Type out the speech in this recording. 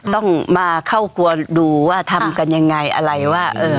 ต้องมาเข้าครัวดูว่าทำกันยังไงอะไรว่า